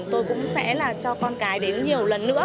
tôi cũng sẽ cho con cái đến nhiều lần nữa hơn